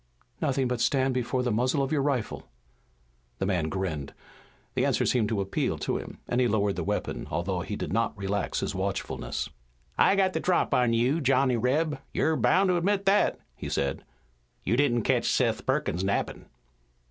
"Nothing but stand before the muzzle of your rifle." The man grinned. The answer seemed to appeal to him, and he lowered the weapon, although he did not relax his watchfulness. "I got the drop on you, Johnny Reb; you're boun' to admit that," he said. "You didn't ketch Seth Perkins nappin'."